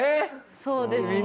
そうですね。